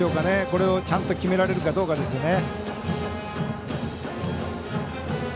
これをちゃんと決められるかどうかですよね。